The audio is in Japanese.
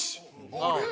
あれ？